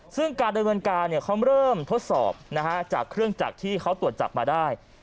ซึ่งการดำเนินการเขาเริ่มทดสอบจากเครื่องจักรที่เขาตรวจจับมาได้